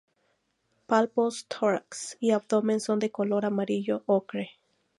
Palpos tórax y abdomen son de color amarillo ocre.